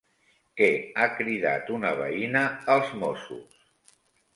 Què ha cridat una veïna als Mossos?